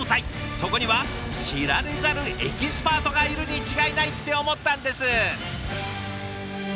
そこには知られざるエキスパートがいるに違いないって思ったんです。